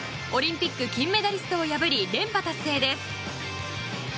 オリンピック金メダリストを破り連覇達成です。